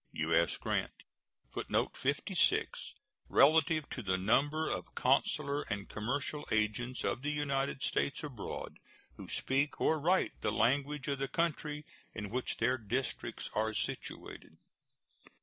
U.S. GRANT. [Footnote 56: Relative to the number of consular and commercial agents of the United States abroad who speak or write the language of the country in which their districts are situated.